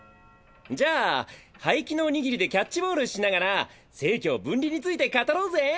じゃあ廃棄のおにぎりでキャッチボールしながら政教分離について語ろうぜ。